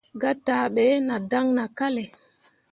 Gataaɓe nah dan nah kalle.